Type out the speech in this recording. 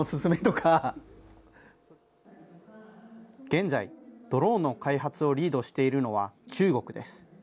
現在、ドローンの開発をリードしているのは中国です。